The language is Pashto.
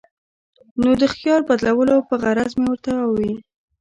نو د خیال بدلولو پۀ غرض مې ورته اووې ـ